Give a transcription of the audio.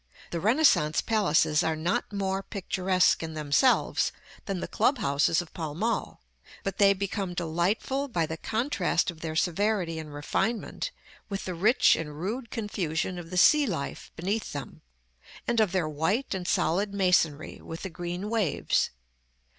The Renaissance palaces are not more picturesque in themselves than the club houses of Pall Mall; but they become delightful by the contrast of their severity and refinement with the rich and rude confusion of the sea life beneath them, and of their white and solid masonry with the green waves.